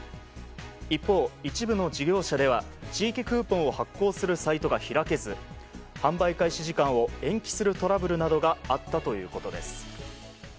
一方、一部の事業者では地域クーポンを発行するサイトが開けず販売開始時間を延期するトラブルなどがあったということです。